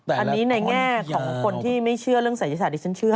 อันนี้ในแง่ของคนที่ไม่เชื่อเรื่องศัยศาสตร์ดิฉันเชื่อ